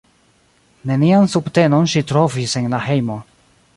Nenian subtenon ŝi trovis en la hejmo.